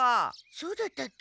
そうだったっけ？